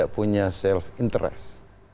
kita punya self interest